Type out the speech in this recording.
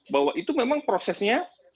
bahwa itu memang prosesnya